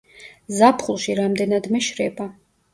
ზაფხულში რამდენადმე შრება.